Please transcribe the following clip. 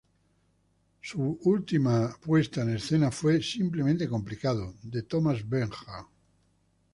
Su última puesta en escena fue "Simplemente complicado" de Thomas Bernhard.